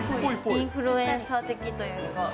インフルエンサー的というか。